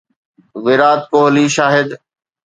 Virat Kohli Shahid